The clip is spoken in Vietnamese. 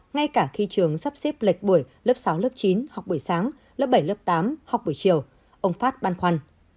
ngay cả khi trường sắp xếp lệch buổi lớp sáu chín học buổi sáng lớp bảy tám học buổi chiều ông phát ban khoăn